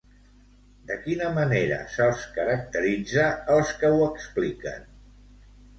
De quina manera se'ls caracteritza als que ho expliquen?